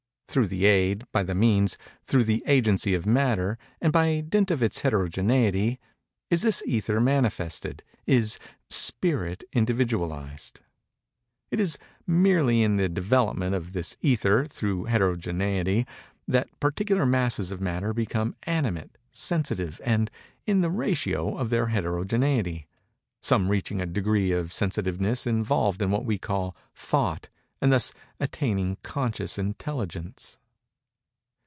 Through the aid—by the means—through the agency of Matter, and by dint of its heterogeneity—is this Ether manifested—is Spirit individualized. It is merely in the development of this Ether, through heterogeneity, that particular masses of Matter become animate—sensitive—and in the ratio of their heterogeneity;—some reaching a degree of sensitiveness involving what we call Thought and thus attaining Conscious Intelligence.